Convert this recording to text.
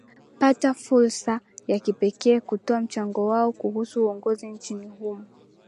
pata fulsa ya kipekee ya kutoa mchango wao kuhusu uongozi nchini humo